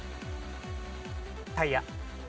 『タイヤ』。